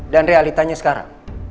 dan realitanya sekarang